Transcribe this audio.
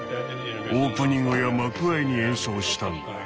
オープニングや幕あいに演奏したんだ。